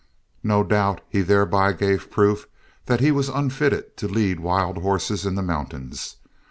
No doubt he thereby gave proof that he was unfitted to lead wild horses in the mountains.